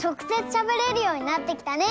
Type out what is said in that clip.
しゃべれるようになってきたね。